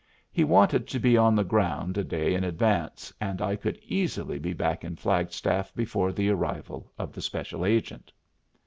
He wanted to be on the ground a day in advance, and I could easily be back in Flagstaff before the arrival of the special agent.